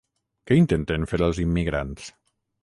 Què intenten fer els immigrants?